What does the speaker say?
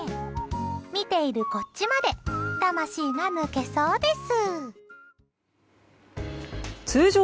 見ているこっちまで魂が抜けそうです。